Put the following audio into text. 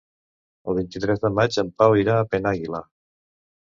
El vint-i-tres de maig en Pau irà a Penàguila.